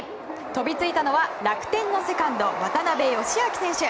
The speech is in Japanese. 飛びついたのは楽天のセカンド渡邊佳明選手。